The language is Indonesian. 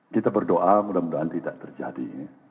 kita berdoa mudah mudahan tidak terjadi